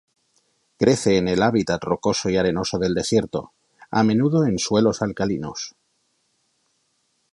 Crece en el hábitat rocoso y arenoso del desierto, a menudo en suelos alcalinos.